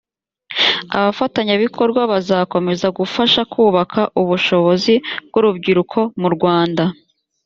abafatanyabikorwa bazakomeza gufasha kubaka ubushobozi bw urubyiruko murwanda